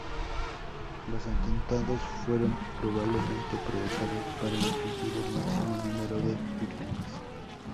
Los atentados fueron probablemente provocados para infligir el máximo número de víctimas.